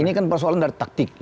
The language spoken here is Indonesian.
ini kan persoalan dari taktik